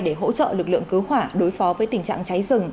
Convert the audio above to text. để hỗ trợ lực lượng cứu hỏa đối phó với tình trạng cháy rừng